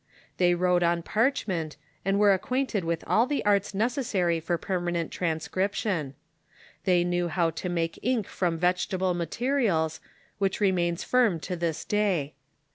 They wrote on parchment, and were acquainted with all the arts necessary for permanent transcription. They knew how to make ink from vegetable materials, which re mains firm to this day.